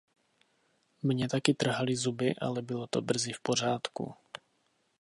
Mě taky trhali zuby, ale bylo to brzy v pořádku.